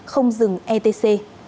không dừng etc